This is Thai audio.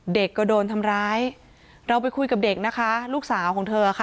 เด็กก็โดนทำร้ายเราไปคุยกับเด็กนะคะลูกสาวของเธอค่ะ